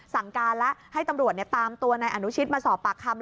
สั่งการแล้วให้ตำรวจตามตัวนายอนุชิตมาสอบปากคำ